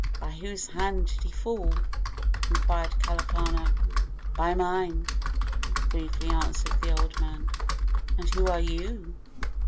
"By whose hand did he fall?" inquired Kalapana. "By mine," briefly answered the old man. "And who are you?"